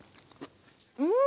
うん！